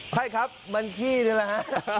ใช่ครับมันขี้เนี่ยแหละครับ